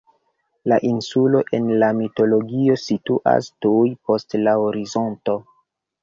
La insulo, en la mitologio, situas tuj post la horizonto.